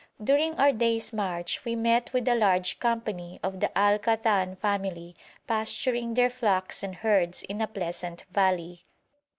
During our day's march we met with a large company of the Al Khathan family pasturing their flocks and herds in a pleasant valley.